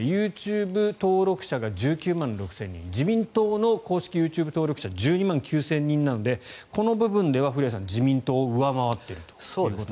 ＹｏｕＴｕｂｅ登録者が１９万６０００人自民党の公式ＹｏｕＴｕｂｅ登録者１２万９０００人なのでこの部分では古谷さん自民党を上回っていると。